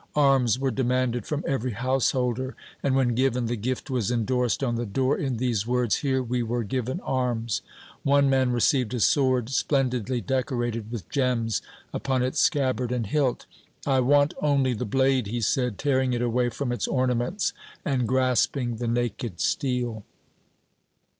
Arms were demanded from every householder, and when given, the gift was endorsed on the door in these words: "Here we were given arms." One man received a sword splendidly decorated with gems upon its scabbard and hilt. "I want only the blade!" he said, tearing it away from its ornaments and grasping the naked steel!